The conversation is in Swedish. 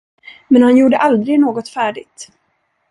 Men han gjorde aldrig något färdigt.